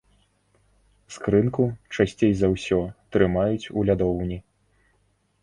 Скрынку, часцей за ўсё, трымаюць у лядоўні.